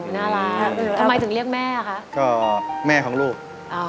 น่ารักทำไมถึงเรียกแม่คะ